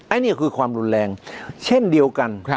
อันนี้คือความรุนแรงเช่นเดียวกัน